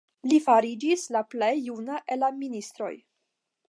Li fariĝis la plej juna el la ministroj.